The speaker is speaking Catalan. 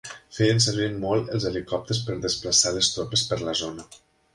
Feien servir molt els helicòpters per desplaçar les tropes per la zona.